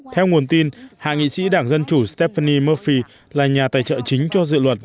theo nguồn tin hạ nghị sĩ đảng dân chủ stephanie murphy là nhà tài trợ chính cho dự luật